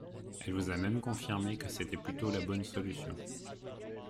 Elle vous a même confirmé que c’était plutôt la bonne solution.